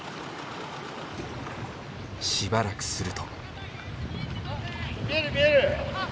しばらくすると。